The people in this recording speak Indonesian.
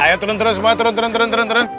ya ayo turun turun turun turun turun turun turun